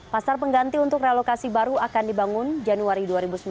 pasar pengganti untuk relokasi baru akan dibangun januari dua ribu sembilan belas